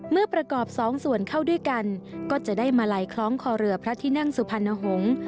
เมื่อประกอบสองส่วนเข้าด้วยกันก็จะได้มาลัยคล้องคอเรือพระที่นั่งสุพรรณหงษ์